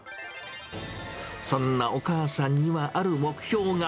そんなお母さんには、ある目標が。